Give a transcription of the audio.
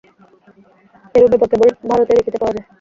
এইরূপ ব্যাপার কেবল ভারতেই দেখিতে পাওয়া যায়।